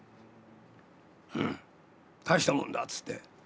「うん大したもんだ」つって。